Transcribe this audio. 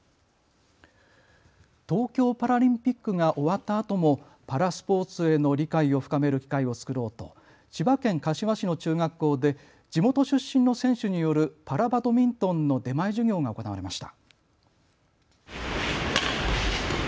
東京パラリンピックが終わったあともパラスポーツへの理解を深める機会を作ろうと千葉県柏市の中学校で地元出身の選手によるパラバドミントンの出前授業が行われました。